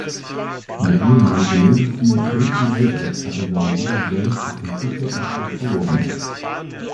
Der ehemalige Navy Seal Casey Ryback hat seinen Bruder James durch einen Flugzeugabsturz verloren.